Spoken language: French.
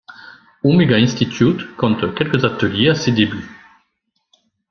Omega Institute compte quelques ateliers à ses débuts.